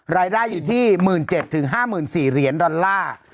รายได้อยู่ที่๑๗๐๐๕๔๐๐เหรียญดอลลาร์